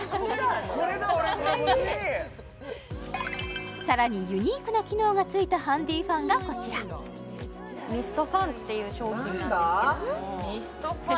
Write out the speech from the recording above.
これだ俺さらにユニークな機能がついたハンディファンがこちらミストファンっていう商品なんですけれどもミストファン？